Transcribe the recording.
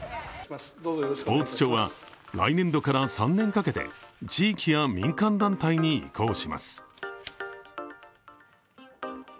スポーツ庁は来年度から３年かけて地域や民間団体に移行します。